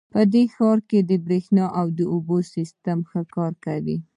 په دې ښار کې د بریښنا او اوبو سیسټم ښه کار کوي